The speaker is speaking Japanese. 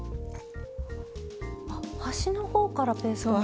あっ端の方からペーストも。